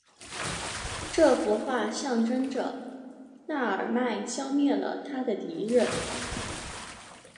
这幅画象征着那尔迈消灭了他的敌人。